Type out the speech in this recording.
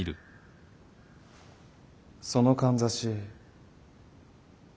そのかんざし。